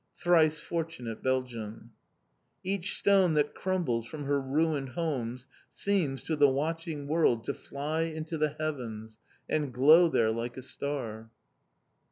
Thrice fortunate Belgium! Each stone that crumbles from her ruined homes seems, to the watching world, to fly into the Heavens, and glow there like a star!